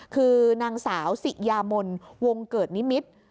คือนางสาวสิยามนวงเกิดนิมิตร